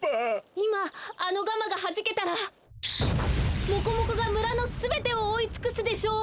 いまあのガマがはじけたらモコモコがむらのすべてをおおいつくすでしょう！